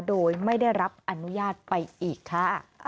โดยไม่ได้รับอนุญาตไปอีกค่ะ